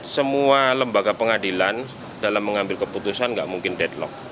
semua lembaga pengadilan dalam mengambil keputusan tidak mungkin deadlock